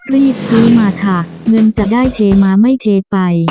รีบซื้อมาค่ะเงินจะได้เทมาไม่เทไป